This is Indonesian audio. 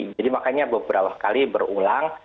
jadi makanya beberapa kali berulang